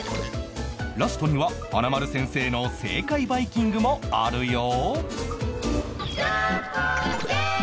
ラストには華丸先生の正解バイキングもあるよ！